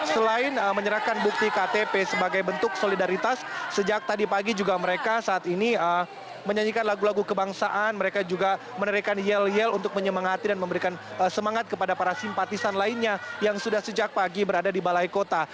selain menyerahkan bukti ktp sebagai bentuk solidaritas sejak tadi pagi juga mereka saat ini menyanyikan lagu lagu kebangsaan mereka juga menerikan yel yel untuk menyemangati dan memberikan semangat kepada para simpatisan lainnya yang sudah sejak pagi berada di balai kota